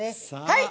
はい！